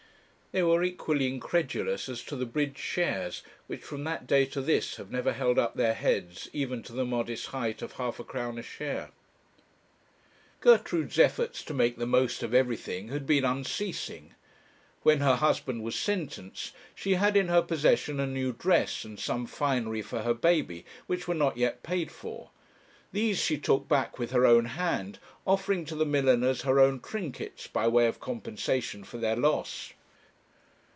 They were equally incredulous as to the bridge shares, which from that day to this have never held up their heads, even to the modest height of half a crown a share. Gertrude's efforts to make the most of everything had been unceasing. When her husband was sentenced, she had in her possession a new dress and some finery for her baby, which were not yet paid for; these she took back with her own hand, offering to the milliners her own trinkets by way of compensation for their loss.